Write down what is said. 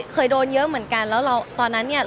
เคยโดนเยอะเหมือนกันแล้วเราตอนนั้นเนี่ย